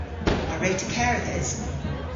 A wre'ta kerdhes?